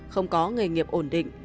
không có nghề nghiệp ổn định